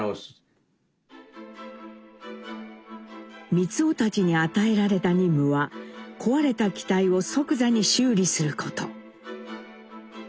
光男たちに与えられた任務は壊れた機体を即座に修理すること。